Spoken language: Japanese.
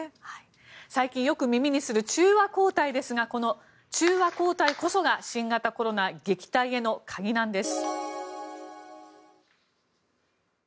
最近、よく耳にする中和抗体ですがこの中和抗体こそ新型コロナ撃退への鍵なんです。